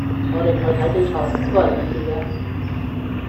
我哋唔去睇比賽，都係佢叫嘅